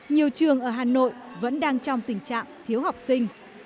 nhiều trường ở hà nội vẫn đang trong tình trạng thiếu học sinh